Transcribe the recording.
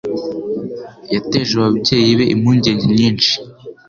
Yateje ababyeyi be impungenge nyinshi.